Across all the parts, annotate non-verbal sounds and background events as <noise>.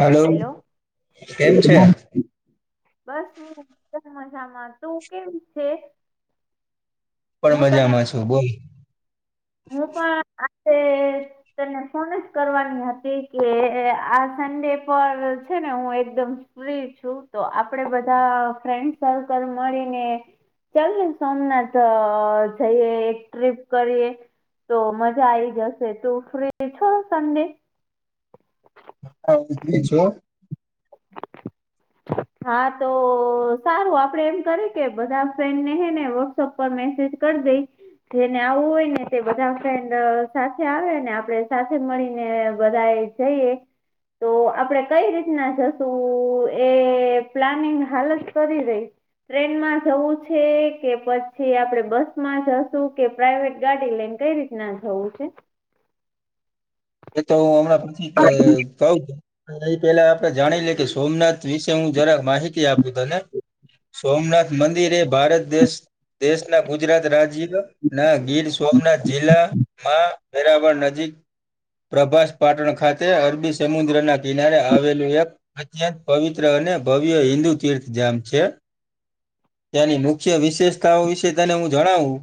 Hello hello કેમ છે? <unintelligible> બસ હું એદકમ મજામાં તું કેમ છે. પણ હું તને મજામાં છો બોલ હું પણ આજે તને ફોન જ કરવાની હતી કે આ સન્ડે પર છે ને હું એકદમ છું તો આપડે બધા ફ્રેન્ડ સર્કલ મળીને ચાલ સોમનાથ જઈએ એક ટ્રીપ કરીએ તો મજા આઈ જશે તું ફ્રી છો સન્ડે હા છો હા તો સારું આપડે એમ કરીએ કે બધા ફ્રેન્ડને હેને વોટ્સઅપ પર મેસેજ કરી દઈ જેને આવવું હોય ને તે બધા ફ્રેન્ડ સાથે આવે ને આપડ સાથે મળીને બધાએ ઈએ તો આપડે કઈ રીતના જશું એ પ્લાનિંગ હાલ જ કરી રઈ ટ્રેનમાં જવું છે કે પછી આપડે બસ માં જશું કે પ્રઇવેટ ગાડી લઈને કઈ રીતે ના જવ છે. એ તો હું હમણાં પછી ક એ પેલા આપડે જાણી લે કે સોમનાથ વિશે હું જરાક માહિતી આપું ત ને સોમનાથ મંદિર એ ભારત દેશ દેશના ગુજરાત રાજ્ય ના ગીર સોમનાથ જિલ્લા માં વેરાવળ નજીક પ્રભાસ પાટણ ખાતે અરબી સમુદ્રના કિનારે આવેલું એક અત્યંત પવિત્ર અને ભવ્ય હિન્દુ તીર્થ જેમ છે. ત્યાની મુખ્ય વિશેષતાઓ વિશે તેને હું જણાવું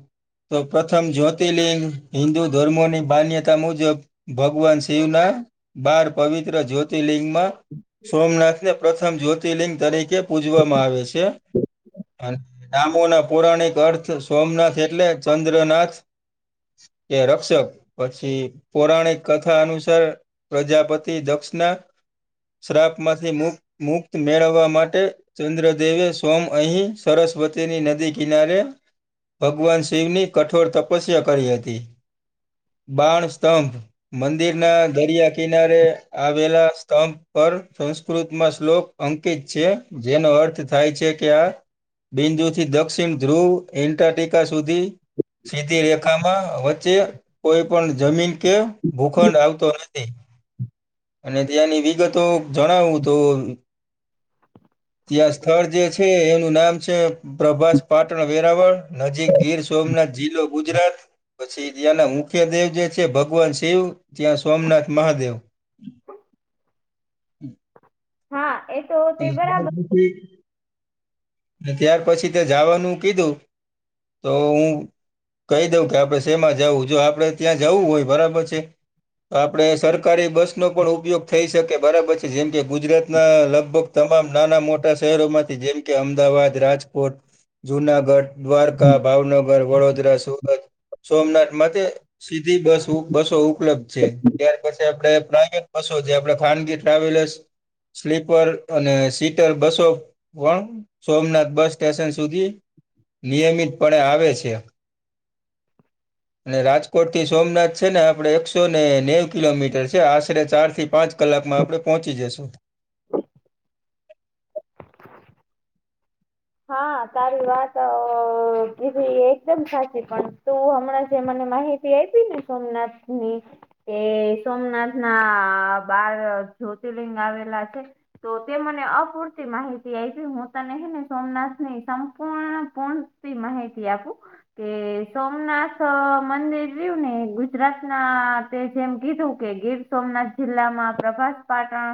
તો પ્રથમ જ્યોતિર્લિંગ હિન્દુ ધર્મોની માન્યતા મુજબ ભગવાન શિવના બાળ પવિત્ર જ્યોતિર્લિંગમાં સોમનાથને પ્રથમ જ્યોતિર્લિંગ તરીકે પૂજવામાં આવે છે. <unintelligible> અને નામો ના પૌરાણિક અર્થ સોમનાથ એટલે ચંદ્રનાથ કે રક્ષક પછી પૌરાણિક કથા અનુસાર પ્રજાપતિ દક્ષના શ્રાપ માંથી મુ મુક્ત મેળવવા માટે ચંદ્રદેવે સોમ અહીં સરસ્વતીની નદી કિનારે ભગવાન શિવની કઠોર તપસ્યા કરી હતી બાણ સ્તંભ મંદિરના દરિયા કિનારે આવેલા સ્તંભ પર સંસ્કૃતમાં શ્લોક અંકિત છે જેનો અર્થ થાય છે. બિંદુથી દક્ષિણ ધ્રુવ એન્ટારટિકા સુધી સીધી રેખામાં વચ્ચે કોઈ પણ જમીન કે ભૂખંડ આવતો નથી. અને ત્યાંની વિગતો જણાવું તો ત્યાં સ્થળ જે છે એનું નામ છે. પ્રભાસ પાટણ વેરાવળ નજીક ગીર સોમનાથ જિલ્લો ગુજરાત પછી ત્યાંના મુખ્ય દેવ જે છે ભગવાન શિવ ત્યાં સોમનાથ મહાદેવ હમ્મ. હા એ તો અને તે તાર બરાબર પછી ને ત્યાર પછી તે જવાનું કીધું તો હું કહી દઉં કે આપડે શેમાં જવું જો આપડે ત્યાં જવું હોય બરાબર છે. આપડે સરકારી બસ નો પણ ઉપયોગ થઈ શકે બરાબર છે જેમ કે ગુજરાતના લગભગ તમામ નાના મોટા શહેરો માંથી જેમ કે અમદાવાદ રાજકોટ જુનાગઢ દ્વારકા ભાવનગર વડોદરા સુરત સોમનાથ માટે સીધી બસ બસો ઉપલબ્ધ છે ત્યાર પછી. તે આપણે પ્રઇવેટ બસો જે આપણે ખાનગી ટ્રાવેલર્સ સ્લીપર અને સીટર બસો પણ સોમનાથ બસ સ્ટેશન સુધી નિયમિતપણે આવે છે. અને રાજકોટ થી સોમનાથ છે ને આપડે એકસો ને નેવ કિલોમીટર છે આશરે ચાર થી પાંચ કલાક મા આપડે પહોંચી જશું. હા તારી વાત આ કીધી એકદમ સાચી પણ તું હમણાં જે મને માહિતી તી આઈપી ને સોમનાથ ની એ સોમનાથ ના બાર જ્યોતિર્લિંગ આવેલા છે. તો તે મને અપૂરતી માહિતી આપી હું તને હેને સોમનાથ ની સંપૂર્ણ પૂણ માહિતી આપું. કે સોમનાથ મંદિર રહ્યું ને ગુજરાત ના જેમ કીધું કે ગીર સોમનાથ જિલ્લામાં પ્રભાસ પાટણ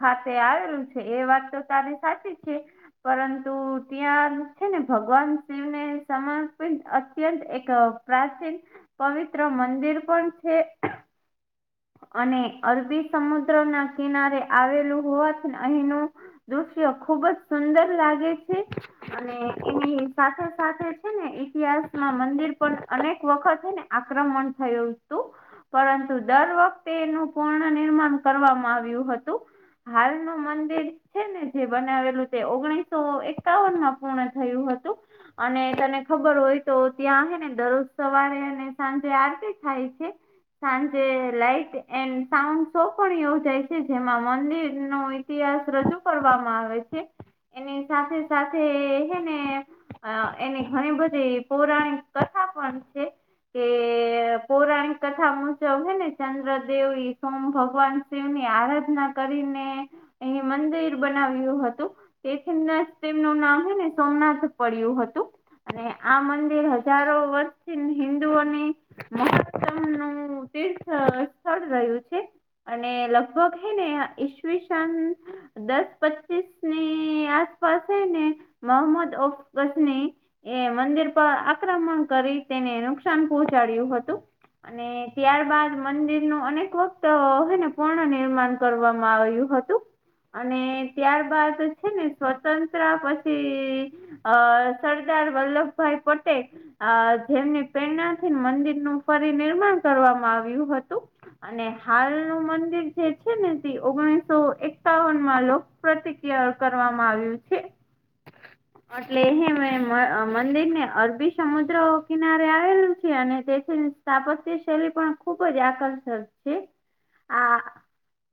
ખાતે આવેલું છે એ વાત તો તારી સાચી છે પરં તો ત્યાં છે ને ભગવાન શિવને સમર્પિત અત્યંત એક પ્રાચીન પવિત્ર મંદિર પણ છે. અને અરબી સમુદ્ર ના કિનારે આવેલું હોવાથી અહીનું દૃશ્ય્યો ખુબ જ સુંદર લાગે છે. અને એની સાથે સાથે છે ને ઈતિહાસમાં મંદિર પણ અનેક વખત હે ને આક્રમણ થયું હું તું. પરંતુ દર વખતે એનું પૂર્ણ નિર્માણ કરવામાં આવ્યું હતું. હાલ નુ મંદિર છે ને જે બનાવેલું તે ઓગણીસો એક એકાવનમાં પૂર્ણ થયું હતું. અને તને ખબર હોય તો ત્યાં આવે ને દરરોજ સવારે અને સાંજે આરતી થાય છે. સાંજે લાઈટ એન્ડ સાઉન્ડ શો પણ યોજાય છે જેમાં મંદિર નો ઇતિહાસ રજૂ કરવામાં આવે છે એની સાથે સાથે હે ને અ એની ઘણી બધી પૌરાણિક કથા પણ છે. કે પૌરાણિક કથા મુજબ હે ને ચંદ્રદેવી સોમ ભગવાન શિવ ની આરાધના કરીને એનુ મંદિર બનાવ્યું હતું તેથી ને તેમનું નામ હે ને સોમનાથ પડ્યું હતું. અને આ મંદિર હજારો વર્ષથી હિન્ંદુઓની મહોત્તમ નું તીર્થ સ્થળ રહ્યું છે. અને લગભગ હે ને ઈસવીસન દસ પચીસ ની આસપાસ હે ને મોહમદ ઓફગસની એ મંદિર પર આક્રમણ કરી તેને નુકસાન પહોંચાડ્યું હતું. અને ત્યારબાદ મંદિરનુ અનેક વખત હે ને પૂર્ણ નિર્માણ. કરવામાં આવ્યું હતું અને ત્યારબદ હે ને સ્વતંત્રા પછી અ સરદાર વલ્લભભાઈ પટેલ આ જેમની પ્રેરણાથી મંદિરનું ફરી નિર્માણ કરવામાં આવ્યું હતું. અને હાલનું મંદિર જે છે ને તે ઓગણીસો એકાવન માં લો <unintelligible> પ્રતિક્રિયા કરવામાં આવ્યું છે. <inaudible> એટલે હે મે મંદિર ને અરબી સમુદ્ર કિનારે આવેલું છે અને તેથી સ્થાપત્ય શૈલી પણ ખુબ જ આકર્ષક છે આ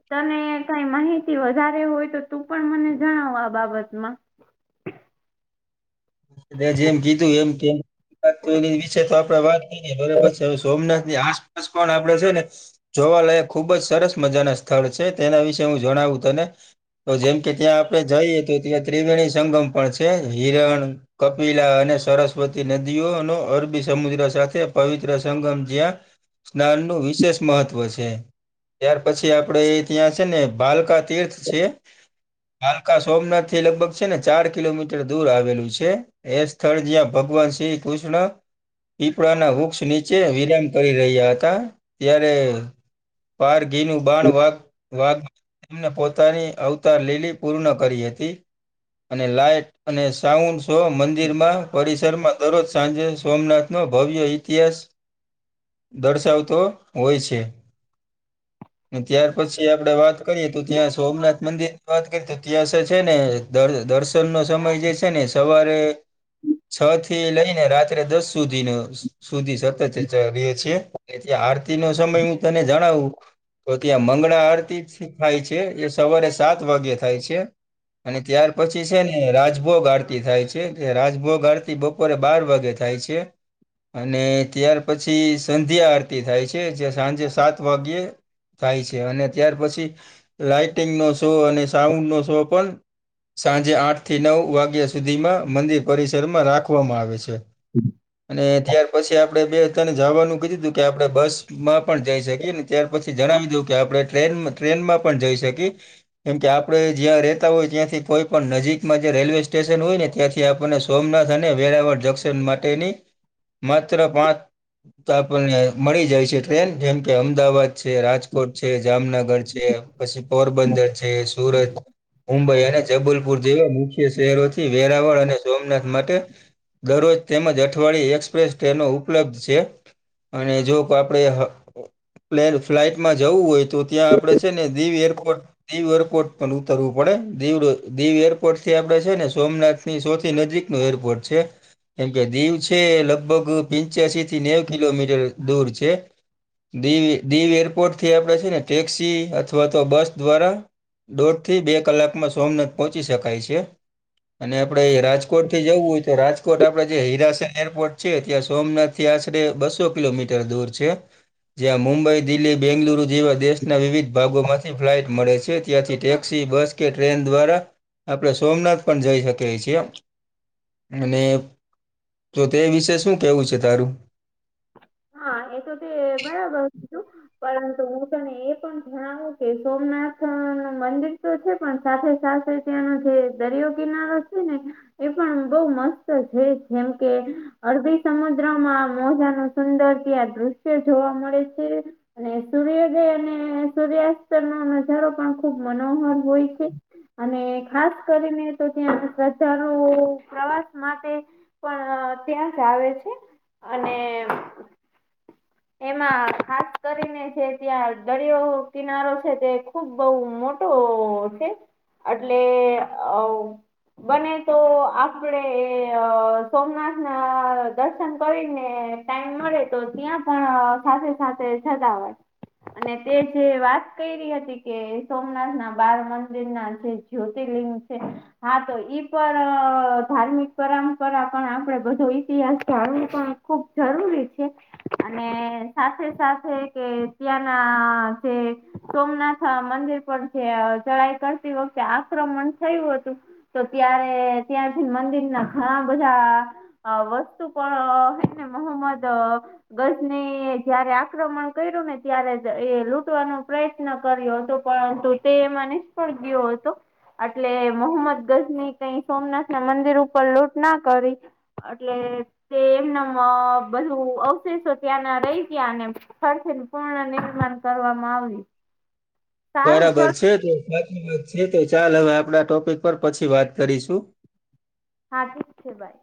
તને કઈ માહિતી વધારે હોય તો તું પણ મને જણાવ આ બાબતમાં. તે જેમ કીધું એમ કે વિશે તો આપડે વાત કરી બરાબર છે હે સોમનાથ ની આસપાસ પણ આપડે છે ને જોવાલાયક ખુબ જ સરસ મજા ના સ્થળ છે તેના વિશે હું જણાવું તને તો જેમ કે ત્યાં આપડણે જઈએ તો ત્યાં ત્રિવેણી સંગમ પણ છે હિરણ કપિલા અને સરસ્વતી નદીઓ નો અરબી સમુદ્ર સાથે પવિત્ર સંગમ જ્યાં સ્નાનનું વિશેષ મહત્વ છે. ત્યાર પછી આપડે એ ત્યાં છે ને બાલકા તીર્થ છે હાલકા સોમનાથી લગભગ છે ને ચાર કિલોમીટર દુર આવેલું છે. એ સ્થળ જ્યાં ભગવાન શ્રી કૃષ્ણ પીપળાના વૃક્ષ નીચે વિરામ કરી રહ્યા હતા ત્યારે પારઘીનું બાણ વાઘ વાઘ એમને પોતાની અવતાર લીલી પૂર્ણ કરી હતી અને લાઈટ અને સાઉન્ડ શો મંદિરમાં પરિસરમાં દરરોજ સાંજે સોમનાથનો ભવ્ય ઇતિહાસ દર્શાવતો હોય છે ત્યાર પછી આપણેે વાત કરીએ તો ત્યાં સોમનાથ મંદિર ની વાત કરી તો ત્યાં છે ને દર્શન નો સમય જે છે ને સવારે છ થી લઈને રાત્રે દસ સુધીનો સુધી સતત રે છે આરતી નો સમય હું તને જણાવું તો ત્યાં મંગળ આરતી થાય છે એ સવારે સાત વાગે થાય છે. અને ત્યાર પછી છે ને રાજભોગ આર તી થાય છે કે રાજભોગ આરતી બપોરે બાર વાગે થાય છે. અને ત્યાર પછી સંધ્યા આરતી થાય છે, જે સાંજે સાત વાગ્યે થાય છે, અને ત્યાર પછી લાાઈટિંગનો શો અને સાઉન્ડનો શો પન સાંજે આઠથી નવ વાગ્યા સુધીમાં મંદિર પરિસરમાં રાખવામાં આવે છે, અને તયા પછી આપણેે બે ત્રણ જાવાનું કીધું તું કે આપડે બસમાં પણ જઈ શકીએ ને ત્યાર પ કે જણાવી દઉ કે આપણે ટ્રેન ટ્રેનમાં પણ જઈ શકી કેમ કે આપણે જ્યાં રેતા હોય ત્યાં થી કોઈ પણ નજીકમાં જે રેલવે સ્ટેશન હોય ને ત્યાંથી આપને સોમનાથ અને વેરાવળ જંક્શન માટેની માત્ર પાં તો આપણને મળી જાય છે, ટ્રેન જેમ કે અમદાવાદ છે, રાજ કોટ રાજકોટ છે, જામનગર છે, પછી પોરબંદર છે, સુરત મુંબઈ અને જબલપુર જેવા મુખ્ય શહેરોથી વેરાવળ અને સોમનાથ માટે દરરોજ તેમજ અઠવાડિયે એક્સપ્રેસ ટ્રેનો ઉપલબ્ધ છે. અને જો આપણેે પ્લેન ફ્લાઈટમાં જવું હોય તો ત્યાં આપણેે ને દીવ એરપોર્ટ દીવ એરપોર્ટ પ ઉતરવું પડે દીવ એરપોર્ટથી આપણે છે, ને સોમનાથથી સૌથી નજીકનું એરપોર્ટ છે, કેમ કે દીવ તે લગભગ પંચ્યાસીથી નેવ કિલોમીટર દૂર છે. દીવ દીવ એરપોર્ટર્થી આપડે છે, ને ટેક્સી અથવા તો બસ દ્વારા દોઢથી બે કલાકમાં સોમનાથ પહોંચી શકાય છે. અને આપડે રાજકોટથી જવું હોય તો રાજકોટ આપડે જે હિરાસન એરપોર્ટ છે, ત્યાં સોમનાથ તે આશરે બસો કિલોમીટર દૂર છે. જ્યાં મુંબઈ દિલ્હી બેંગલુરુ જેવા દેશના વિવિધ ભાગોમાંથી ફ્લાઇટ મળે છે ત્યાંથી ટેક્સી બસ કે ટ્રેન દ્વારા આપણે સોમનાથ પણ જઈ શકાય છીએ. અને તો તે વિશે શું કેવું છે, તારું? હા એ તો તે બરાબર કીધુ પરંતુ હું તને એ પણ જણાવું કે સોમનાથ મંદિર તો છે, પણ સાથે સાથે ત્યાંનો જે દરિયો કિનારો છે, ને એ પણ બઉ મસ્ત છે, જેમ કે અરબી સમુદ્રમાં મોજાનો સુંદર તયા દ્રશ્ય જોવા મળે છે. અને સૂર્યોદય અને સૂર્યાસ્તનો નજારો પણ ખુબ મનોહર હોય છે. અને ખાસ કરીને તો ત્યાં પ્રજાનો પ્રવાસ માટે પણ ત્યાં જ આવે છે, અને એમાં ખાસ કરીને જે ત્યાં દરિયો કિનારો છે, તે ખુબ બોવ મો તો છે, અટલે ઓ બને તો આપડે અ સોમનાથના દર્શન કરીને ટાઈમ મળે તો ત્યાં પણ સાથે સાથે જતા હોય. અને તે જે વાત કયરી હતી કે સોમનાથના બાળમંદિરના જે જ્યોતિર્લિંગ છે. હા તો ઈ પણ ધાર્મિક પરંપરા પણ આપડે બધો ઇતિહાસ જાણવું પણ ખુબ જરૂરી છે. અને સાથે સાથે કે ત્યાંના જે સોમનાથ મંદિ <unintelligible> અ ચડાઈ કરતી વખતે આક્રમણ થયું હતું. તો ત્યારે ત્યાંથી મંદિરના ઘણા બધા અ વસ્તુ અ હેને પણ મોહમ્મદ ગજને જયારે આક્રમણ કર્યું ને ત્યારે જ એ લૂટવાનો પ્રય કર્યો હતો પરંતુ તે નિષ્ફળ ગયો હતો. આટલે મોહમ્મદ ગજની કઈ સોમનાથના મંદિર ઉપર લૂંટના કરી એટલે તે એમના બધું અવ <unintelligible> ત્યાંના રહી ગયા અને ફરીથી પૂર્ણ નિર્માણ કરવામાં આવ્યું સારું બરાબર ચલ છે તો સાચી વાત છે તો ચાલ હવે આપણા ટોપિક પર પછી વાત કરીશું. હા ઠીક છે ભાઈ.